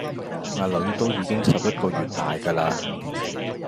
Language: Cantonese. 呀囡都已經十一個月大架啦